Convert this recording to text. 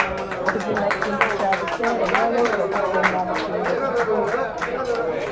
Okuzimba kintu kya buseere n'olw'ekyo okukuuma omutindo kikulu.